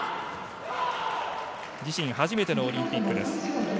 自身初めてのオリンピックです。